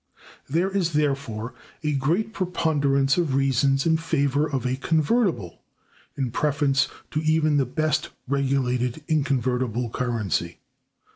There is therefore a great preponderance of reasons in favor of a convertible, in preference to even the best regulated inconvertible, currency.